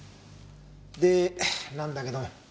でなんだけども。